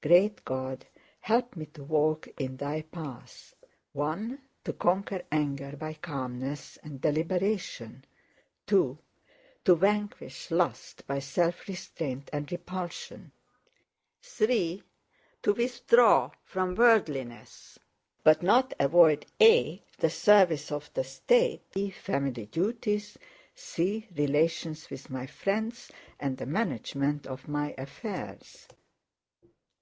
Great God, help me to walk in Thy paths, (1) to conquer anger by calmness and deliberation, (2) to vanquish lust by self restraint and repulsion, (3) to withdraw from worldliness, but not avoid (a) the service of the state, (b) family duties, (c) relations with my friends, and the management of my affairs.